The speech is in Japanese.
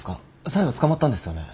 サイは捕まったんですよね？